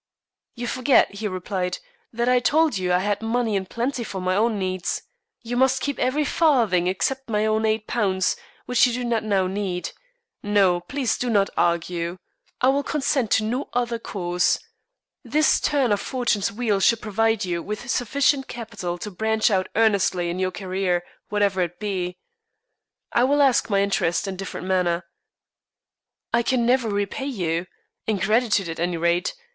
"You forget," he replied, "that I told you I had money in plenty for my own needs. You must keep every farthing except my own £8, which you do not now need. No. Please do not argue. I will consent to no other course. This turn of Fortune's wheel should provide you with sufficient capital to branch out earnestly in your career, whatever it be. I will ask my interest in different manner." "I can never repay you, in gratitude, at any rate.